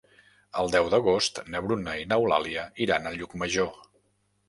El deu d'agost na Bruna i n'Eulàlia iran a Llucmajor.